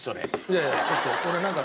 いやいやちょっと。